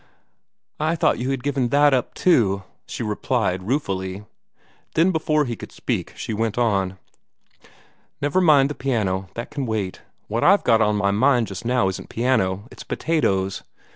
"I thought you had given that up, too!" she replied ruefully. Then before he could speak, she went on: "Never mind the piano; that can wait. What I've got on my mind just now isn't piano; it's potatoes.